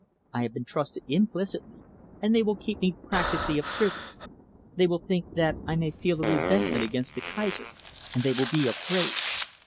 I have been trusted implicitly, and they will keep me practically a prisoner. They will think that I may feel a resentment against the Kaiser, and they will be afraid.